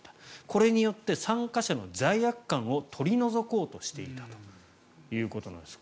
これによって参加者の罪悪感を取り除こうとしていたということです。